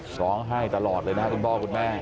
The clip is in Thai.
ให้ตลอดเลยนะครับคุณพ่อคุณแม่